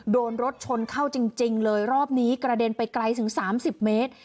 โดนรถชนเข้าจริงเลยรอบนี้กระเด็นไปไกลถึง๓๐เมตร